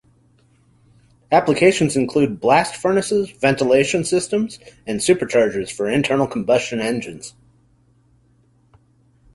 Applications include blast furnaces, ventilation systems, and superchargers for internal combustion engines.